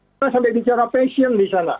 kita sampai bicara passion di sana